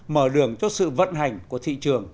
mở đường cho sự vận hành của thị trường